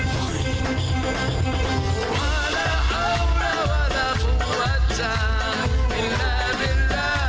nyara terburuk jalan hanya salahnya